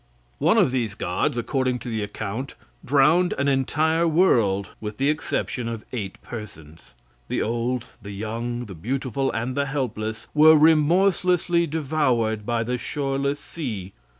One of these gods, according to the account, drowned an entire world, with the exception of eight persons. The old, the young, the beautiful and the helpless were remorselessly devoured by the shoreless sea.